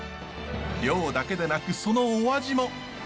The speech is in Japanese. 量だけでなくそのお味も。